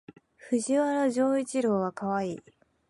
藤原丈一郎はかわいい